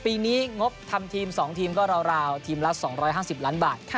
ปีนี้งบทำทีม๒ทีมก็ราวทีมละ๒๕๐ล้านบาท